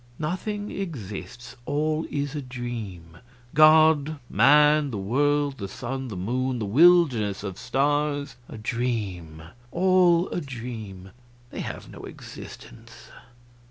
"Nothing exists; all is a dream. God man the world the sun, the moon, the wilderness of stars a dream, all a dream; they have no existence.